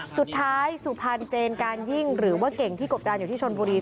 สุดท้ายสุพรรณเจนการยิ่งหรือว่าเก่งที่กบดานอยู่ที่ชนบุรี